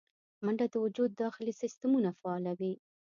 منډه د وجود داخلي سیستمونه فعالوي